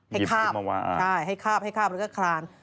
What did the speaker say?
รับตัวมาเอาไว้ใช่ให้คาบแล้วก็คลาน